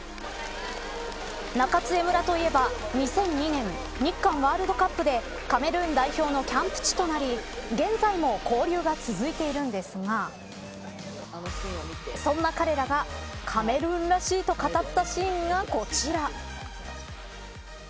中津江村といえば２００２年日韓ワールドカップでカメルーン代表のキャンプ地となり現在も交流が続いているんですがそんな彼らがカメルーンらしいと語ったシ−ンがこちら。